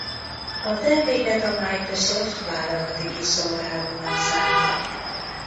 A terméket a Microsoft vállalati kiszolgálónak szánta.